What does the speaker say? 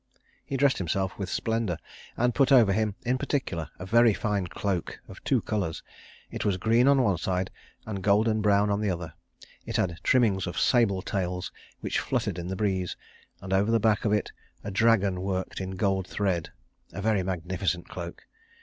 He dressed himself with splendour, and put over him in particular a very fine cloak of two colours. It was green on one side and golden brown on the other. It had trimmings of sable tails which fluttered in the breeze, and over the back of it a dragon worked in gold thread: a very magnificent cloak.